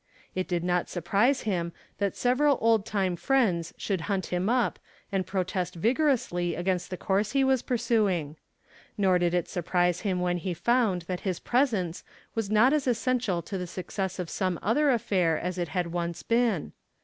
It did not surprise him that several old time friends should hunt him up and protest vigorously against the course he was pursuing. Nor did it surprise him when he found that his presence was not as essential to the success of some other affair as it had once been.